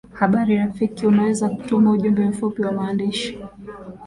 habari rafiki unaweza ukatuma ujumbe mfupi wa maandishi